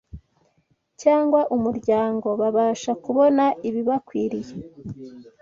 cyangwa umuryango, babasha kubona ibibakwiriye